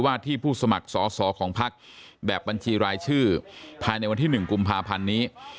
ที่ผู้สมัครสอสอของพักแบบบัญชีรายชื่อภายในวันที่๑กุมภาพันธ์นี้